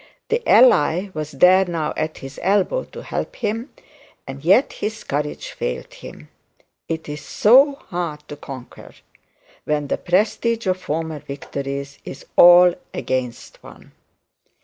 The ally was there now at his elbow to help him, and yet his courage failed him. It is so hard to conquer when the prestige of the former victories is all against one.